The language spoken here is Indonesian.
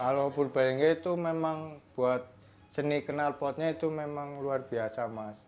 kalau purbalengga itu memang buat seni kenalpotnya itu memang luar biasa mas